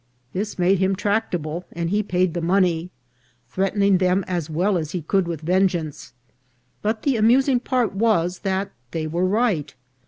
This made him tractable, and he paid the money, threatening them as well as he could with vengeance; but the amusing part was that they were right.